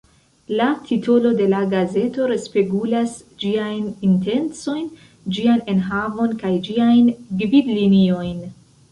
La titolo de la gazeto respegulas ĝiajn intencojn, ĝian enhavon kaj ĝiajn gvid-liniojn.